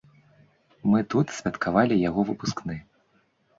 Мы тут святкавалі яго выпускны.